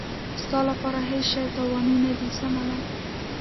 ستا لپاره هېڅ شی تاواني نه دی، سمه ده.